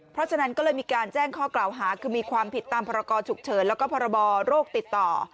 เพราะฉะนั้นก็เลยมีการแจ้งข้อกล่าวหาคือมีความผิดตามพรกรฉุกเฉินแล้วก็พรบโรคติดต่อ